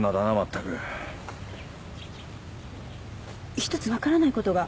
１つわからないことが。